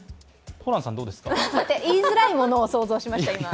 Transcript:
今、言いづらいものを想像しました？